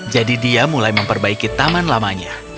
jadi dia mulai memperbaiki taman lamanya